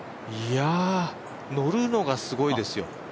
乗るのがすごいですよ。